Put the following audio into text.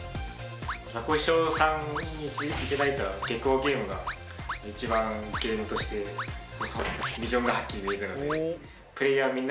ザコシショウさんに頂いた下校ゲームが一番ゲームとしてビジョンがはっきり見えたので。